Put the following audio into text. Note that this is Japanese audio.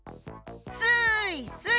スイスイ！